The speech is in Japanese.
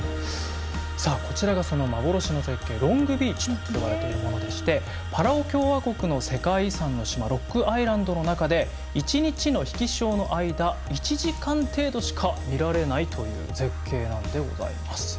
さあこちらがその幻の絶景ロングビーチと呼ばれてるものでしてパラオ共和国の世界遺産の島ロックアイランドの中で一日の引き潮の間１時間程度しか見られないという絶景なんでございます。